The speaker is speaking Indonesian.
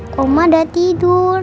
koma udah tidur